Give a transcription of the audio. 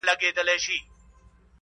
اوس سره جار وتو رباب سومه نغمه یمه,